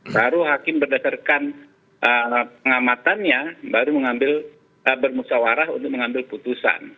baru hakim berdasarkan pengamatannya baru mengambil bermusyawarah untuk mengambil putusan